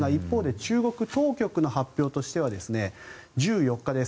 中国当局の発表としては１４日です